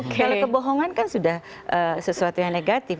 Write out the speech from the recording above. kalau kebohongan kan sudah sesuatu yang negatif